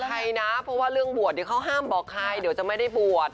ใครนะเพราะว่าเรื่องบวชเดี๋ยวเขาห้ามบอกใครเดี๋ยวจะไม่ได้บวช